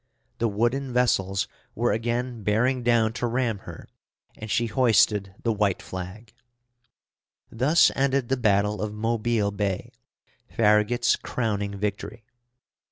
The wooden vessels were again bearing down to ram her; and she hoisted the white flag. Thus ended the battle of Mobile Bay, Farragut's crowning victory.